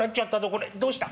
これどうした？」。